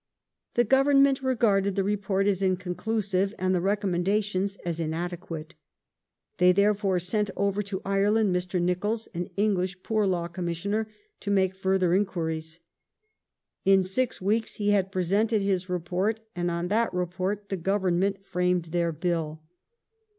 The Government regai'ded the report as inconclusive, and the recommendations as inadequate. They therefore sent over to Ireland Mr. Nicholls — an English Poor Law Commissioner — to make further inquiries. In six weeks he had presented his report, and on that report the Government framed their Bill.